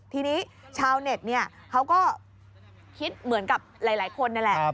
ทีนี้ชาวเน็ตเนี่ยเขาก็คิดเหมือนกับหลายคนนั่นแหละ